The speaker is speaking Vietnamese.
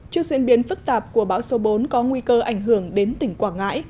trước diễn biến phức tạp của bão số bốn có nguy cơ ảnh hưởng đến tỉnh quảng ngãi